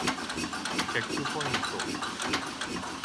チェックポイント